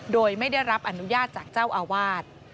โดยไม่ได้รับอนุญาตจากเจ้าอาวาส